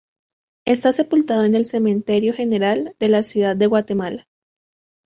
Está sepultado en el Cementerio General de la Ciudad de Guatemala.